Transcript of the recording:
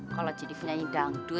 kalau jadi penyanyi jandu